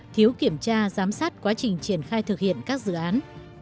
thiếu kiểm tra giám sát quá trình triển khai thực hiện các dự án